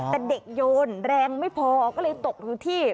แต่เด็กโยนแรงไม่พอก็เลยตกอยู่ที่